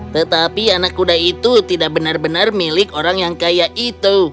tetapi anak kuda itu tidak benar benar milik orang yang kaya itu